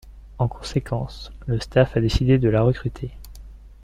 En conséquence, le staff a décidé de la recruter.